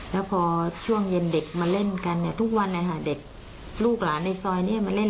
แล้วพอช่วงเย็นเด็กมาเล่นกันเนี่ยทุกวันเลยค่ะเด็กลูกหลานในซอยนี้มาเล่น